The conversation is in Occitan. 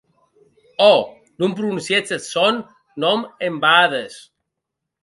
Ò!, non prononciètz eth sòn nòm en bades!